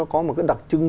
nó có một cái đặc trưng